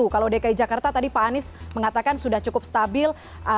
kalau dki jakarta tadi pak anies mengatakan sudah cukup stabil